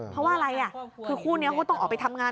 เพราะว่าอะไรคือคู่นี้เขาต้องออกไปทำงาน